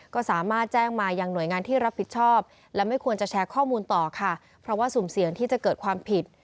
ก็สามารถแจ้งมายังหน่วยงานที่รับผิดชอบและไม่ควรจะแชร์ข้อมูลต่อค่ะเพราะว่าสุ่มเสี่ยงที่จะเกิดความผิด